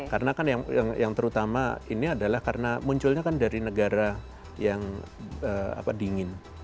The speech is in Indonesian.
karena kan yang terutama ini adalah karena munculnya kan dari negara yang dingin